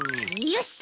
よし。